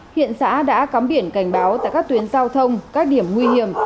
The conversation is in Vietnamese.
hiện xã đã cắm biển cảnh báo tại các tuyến giao thông các điểm nguy hiểm